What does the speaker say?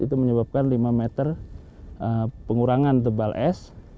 itu menyebabkan lima meter pengurangan tebal es